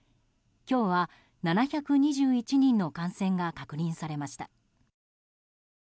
今日は７２１人の感染が確認されました。